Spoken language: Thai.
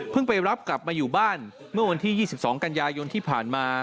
ไปรับกลับมาอยู่บ้านเมื่อวันที่๒๒กันยายนที่ผ่านมา